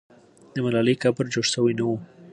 د ملالۍ قبر جوړ سوی نه وو.